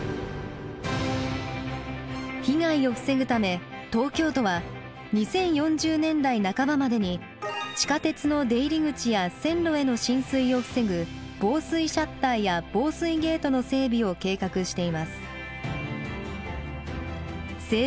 被害を防ぐため東京都は２０４０年代半ばまでに地下鉄の出入り口や線路への浸水を防ぐ防水シャッターや防水ゲートの整備を計画しています。